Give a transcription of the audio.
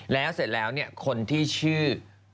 แล้วเสร็จแล้วคนที่ชื่อ